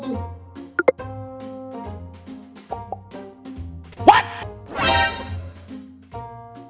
pastikan mengirim kode qru